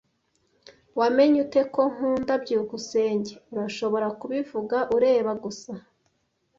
"Wamenye ute ko nkunda byukusenge?" "Urashobora kubivuga ureba gusa."